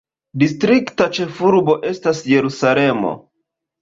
Distrikta ĉefurbo estas Jerusalemo.